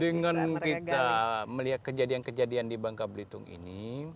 dengan kita melihat kejadian kejadian di bangka belitung ini